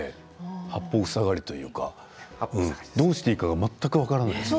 八方塞がりというかどうしていいか全く分からない。